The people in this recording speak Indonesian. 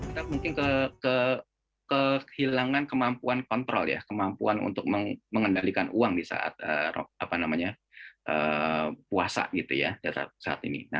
kita mungkin kehilangan kemampuan kontrol ya kemampuan untuk mengendalikan uang di saat puasa